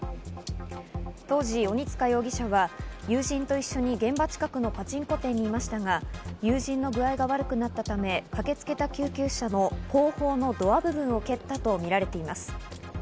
当時、鬼塚容疑者は友人と一緒に現場近くのパチンコ店にいましたが友人の具合が悪くなったため駆けつけた救急車の後方のドア部分を蹴ったとみられています。